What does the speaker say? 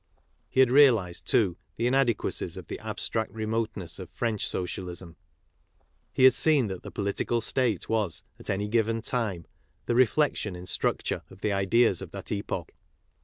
He had realized, too, the inadequacies of the abstract remoteness of French Socialism . He had seen that the political state was, at any given time, tjie reflec tion in structur e of the idea s of that epoch